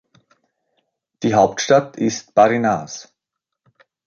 Die Hauptstadt ist Barinas.